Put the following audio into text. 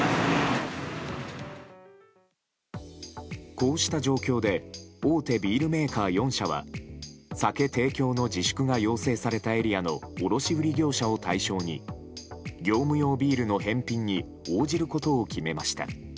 こうした状況で大手ビールメーカー４社は酒提供の自粛が要請されたエリアの卸売業者を対象に業務用ビールの返品に応じることを決めました。